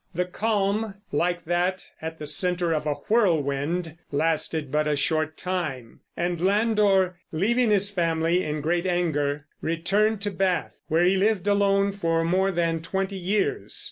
The calm, like that at the center of a whirlwind, lasted but a short time, and Landor, leaving his family in great anger, returned to Bath, where he lived alone for more than twenty years.